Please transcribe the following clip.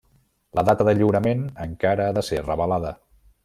La data de lliurament encara ha de ser revelada.